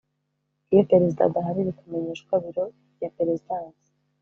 iyo Perezida adahari bikamenyeshwa Biro ya perezidansi